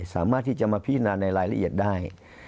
สามารถที่จะมาพิจารณาในรายละเอียดได้